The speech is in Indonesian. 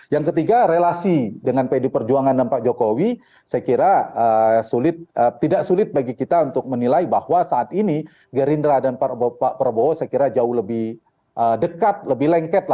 yang ketiga relasi dengan pdi perjuangan dan pak jokowi saya kira tidak sulit bagi kita untuk menilai bahwa saat ini gerindra dan pak prabowo saya kira jauh lebih dekat lebih lengket